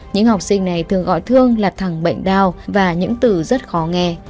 những học sinh này thường gọi thương là thẳng bệnh đau và những từ rất khó nghe